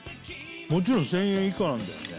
もちろん１０００円以下なんだよね